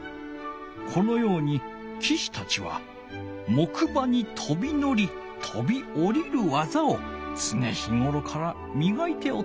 このようにきしたちは木馬にとびのりとびおりる技をつねひごろからみがいておった。